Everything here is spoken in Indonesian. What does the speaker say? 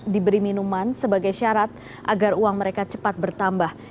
diberi minuman sebagai syarat agar uang mereka cepat bertambah